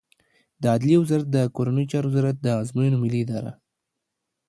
د عدلیې وزارت د کورنیو چارو وزارت، د ازموینو ملی اداره